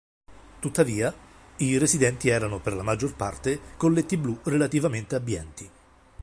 Tuttavia, i residenti erano per la maggior parte colletti blu relativamente abbienti.